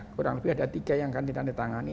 kurang lebih ada tiga yang akan ditandatangani